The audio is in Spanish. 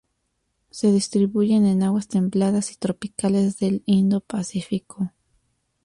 Se distribuyen en aguas templadas y tropicales del Indo-Pacífico.